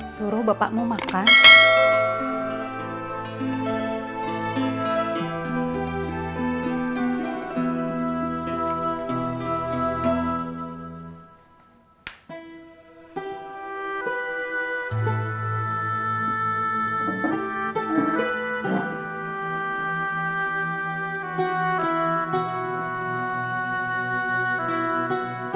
suruh bapakmu makan